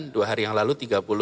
dua hari yang lalu